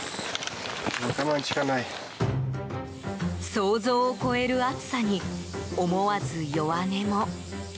想像を超える暑さに思わず弱音も。